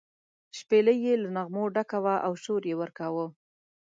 شپېلۍ یې له نغمو ډکه وه او شور یې ورکاوه.